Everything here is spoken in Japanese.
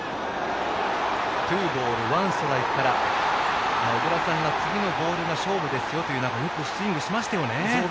ツーボール、ワンストライクから小倉さんは次のボールが勝負ですよと言う中よくスイングしましたね。